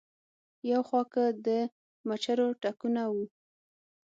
يو خوا کۀ د مچرو ټکونه وو